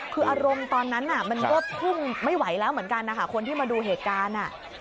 คืออารมณ์ตอนนั้นมันก็พุ่งไม่ไหวแล้วเหมือนกันนะคะคนที่มาดูเหตุการณ์